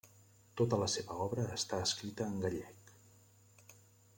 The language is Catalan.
Tota la seva obra està escrita en gallec.